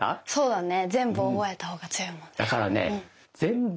そうだね。